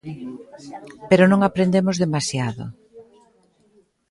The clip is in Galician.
Pero non aprendemos demasiado.